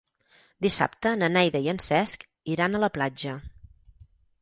Dissabte na Neida i en Cesc iran a la platja.